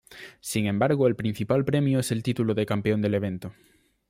Sin embargo el principal premio es el título de campeón del evento.